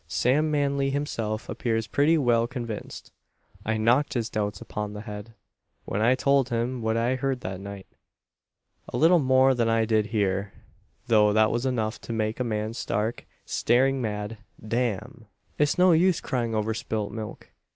Sam Manley himself appears pretty well convinced. I knocked his doubts upon the head, when I told him what I'd heard that night. A little more than I did hear; though that was enough to make a man stark, staring mad. Damn! "It's no use crying over spilt milk.